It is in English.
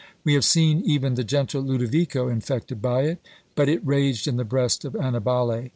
We have seen even the gentle Lodovico infected by it; but it raged in the breast of Annibale.